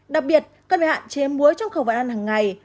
đặc biệt cần phải hạn chế muối trong khẩu vận ăn hằng ngày